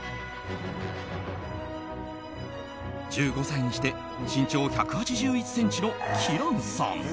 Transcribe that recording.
１５歳にして身長１８１ｃｍのキランさん。